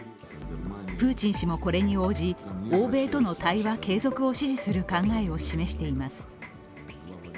プーチン氏もこれに応じ欧米との対話継続を支持する考えを示しています。